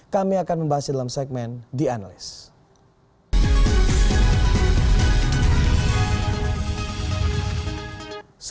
kami akan membahasnya dalam segmen the analyst